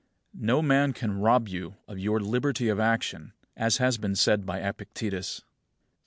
36. No man can rob you of your liberty of action; as has been said by Epictetus.